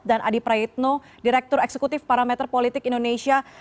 dan adi prayetno direktur eksekutif parameter politik indonesia